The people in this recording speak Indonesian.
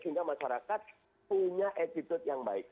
sehingga masyarakat punya attitude yang baik